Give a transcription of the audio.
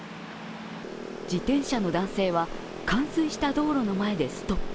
自転車の男性は冠水した道路の前でストップ。